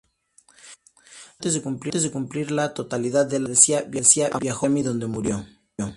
Liberado antes de cumplir la totalidad de la sentencia viajó a Miami donde murió.